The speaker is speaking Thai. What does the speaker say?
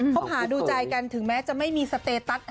คบหาดูใจกันถึงแม้จะไม่มีสเตตัส